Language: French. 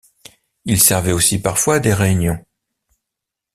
Il servait aussi parfois à des réunions.